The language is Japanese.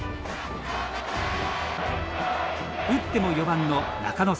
打っても４番の中野選手。